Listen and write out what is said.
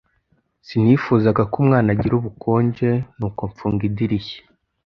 Sinifuzaga ko umwana agira ubukonje, nuko mfunga idirishya.